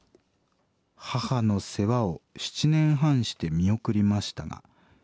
母の世話を７年半して見送りましたがひきこもりです。